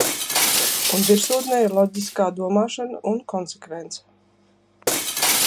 Un virsotnē ir loģiskā domāšana un konsekvence.